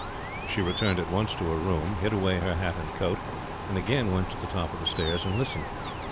She returned at once to her room, hid away her hat and coat, and again went to the top of the stairs and listened.